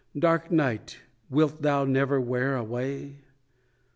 Dark dark night, wilt thou never wear away?